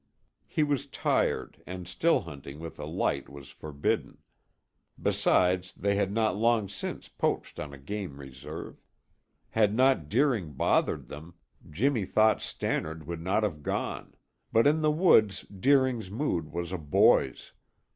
He was tired and still hunting with a light was forbidden; besides, they had not long since poached on a game reserve. Had not Deering bothered them, Jimmy thought Stannard would not have gone, but in the woods Deering's mood was a boy's.